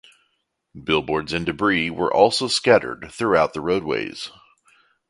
Billboards and debris were also scattered throughout the roadways.